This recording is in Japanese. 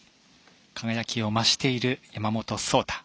輝きを増している山本草太。